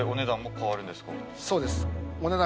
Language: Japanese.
そうです。